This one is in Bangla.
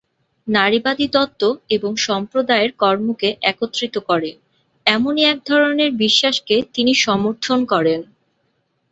নারীবাদী তত্ত্ব এবং সম্প্রদায়ের কর্মকে একত্রিত করে, এমনই এক ধরনের বিশ্বাসকে তিনি সমর্থন করেন।